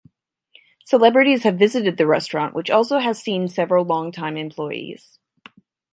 Celebrities have visited the restaurant which has also seen several longtime employees.